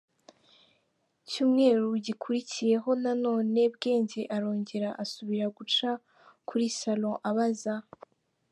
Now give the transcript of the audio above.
cyumweru gikurikiyeho nanone Bwenge arongera asubira guca kuri salon abaza.